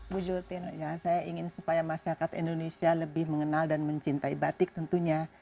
bu jultin saya ingin supaya masyarakat indonesia lebih mengenal dan mencintai batik tentunya